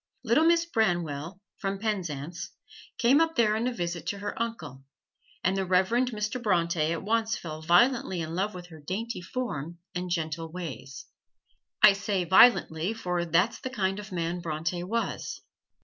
Little Miss Branwell, from Penzance, came up there on a visit to her uncle, and the Reverend Mr. Bronte at once fell violently in love with her dainty form and gentle ways. I say "violently," for that's the kind of man Bronte was.